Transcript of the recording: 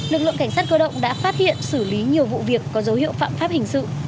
lực lượng cảnh sát cơ động đã phát hiện xử lý nhiều vụ việc có dấu hiệu phạm pháp hình sự